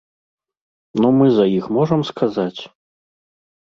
Ну мы за іх можам сказаць?